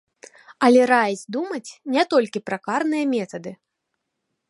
Але раіць думаць не толькі пра карныя метады.